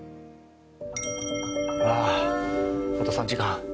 あああと３時間。